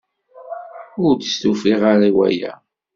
Ur d-stufiɣ ara i waya.